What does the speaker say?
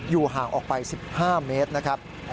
ห่างออกไป๑๕เมตรนะครับ